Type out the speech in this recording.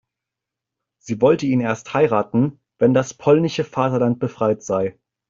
Sie wollte ihn erst heiraten, wenn das polnische Vaterland befreit sei.